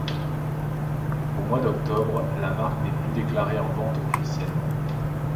Au mois d'Octobre, la marque n'est plus déclarée en vente officiellement.